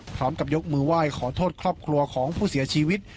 พร้อมกับยกมือไหว้ขอโทษครอบครัวของผู้เสียชีวิต